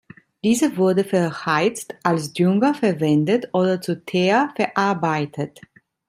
Diese wurde verheizt, als Dünger verwendet oder zu Teer verarbeitet.